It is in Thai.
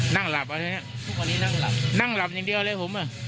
นั่งหลับผมนั่งหลับเดี๋ยวเลย